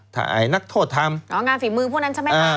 เถอะนักโทษทำ